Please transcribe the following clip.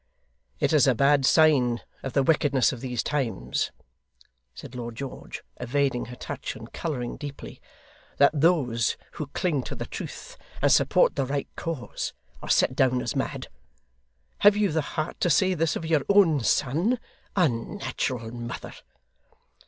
'It is a bad sign of the wickedness of these times,' said Lord George, evading her touch, and colouring deeply, 'that those who cling to the truth and support the right cause, are set down as mad. Have you the heart to say this of your own son, unnatural mother!